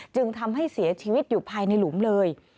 จึงทำให้เสียชีวิตอยู่ภายในหลุมเลย